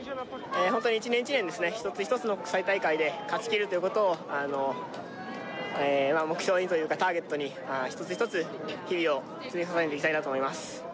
ホントに一年一年ですね一つ一つの国際大会で勝ちきるということをあのええまあ目標にというかターゲットに一つ一つ日々を積み重ねていきたいなと思います